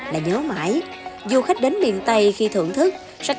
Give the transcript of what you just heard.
là nhớ mãi du khách đến miền tây khi thưởng thức